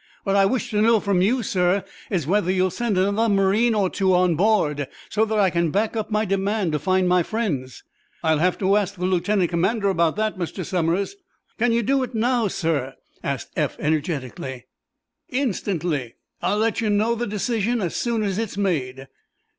What I wish to know from you, sir, is whether you'll send another marine or two on board, so that I can back up my demand to find my friends?" "I'll have to ask the lieutenant commander about that, Mr. Somers." "Can you do it, now, sir?" asked Eph, energetically. "Instantly. I'll let you know the decision as soon as it's made."